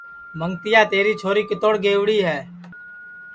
منگتیا تیری چھوری کِتوڑ گئیوڑی ہے